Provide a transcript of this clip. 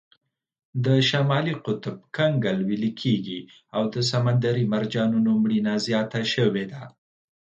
د شمالي قطب کنګل ویلې کیږي او د سمندري مرجانونو مړینه زیاته شوې ده.